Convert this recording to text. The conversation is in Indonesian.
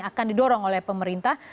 akan didorong oleh pemerintah